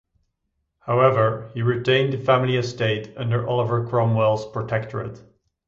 However he retained the family estate under Oliver Cromwell's protectorate.